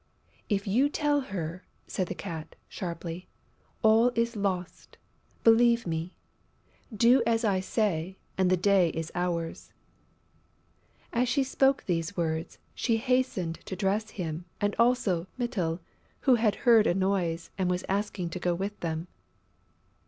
"If you tell her," said the Cat, sharply, "all is lost, believe me. Do as I say; and the day is ours." As she spoke these words, she hastened to dress him and also Mytyl, who had heard a noise and was asking to go with them.